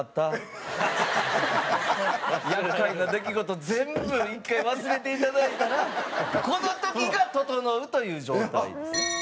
厄介な出来事全部１回忘れていただいたらこの時が「ととのう」という状態ですね。